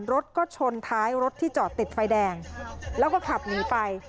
รถก็ชนท้ายรถที่จอดติดไฟแดงแล้วก็ขับหนีไป